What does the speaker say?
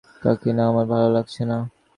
কাকিনো, আমার ভালো লাগছে না।